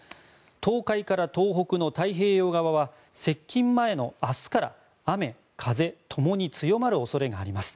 東海から東北の太平洋側は接近前の明日から雨風ともに強まる恐れがあります。